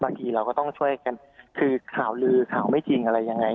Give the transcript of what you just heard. บางทีเราก็ต้องช่วยกันคือข่าวลือข่าวไม่จริงอะไรยังไง